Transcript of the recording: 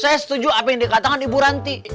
saya setuju apa yang dikatakan ibu ranti